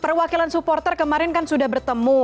perwakilan supporter kemarin kan sudah bertemu